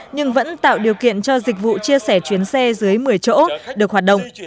nhưng vẫn tạo điều kiện cho dịch vụ chia sẻ chuyến xe dưới một mươi chỗ được hoạt động